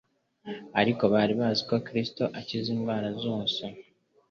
ariko bari bazi ko Kristo akiza indwara zose.